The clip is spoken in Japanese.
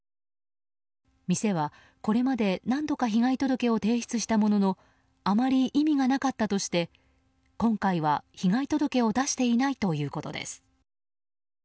店はこれまで何度か被害届を提出したもののあまり意味がなかったとして今回は被害届を出していないということです。